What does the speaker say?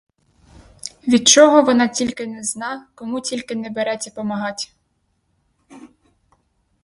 Від чого вона тільки не зна, кому тільки не береться помагать!